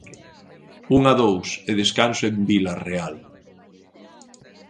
Un a dous e descanso en Vilarreal.